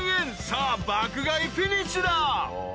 さあ爆買いフィニッシュだ］